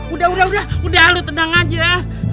udah udah udah udah lu tenang aja